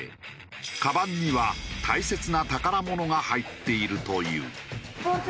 カバンには大切な宝物が入っているという。